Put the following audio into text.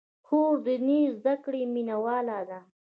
خور د دیني زدکړو مینه واله ده.